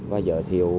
và giới thiệu